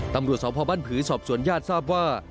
ตำรวจสมพบนภูมิสอบสวนญาติทราบว่า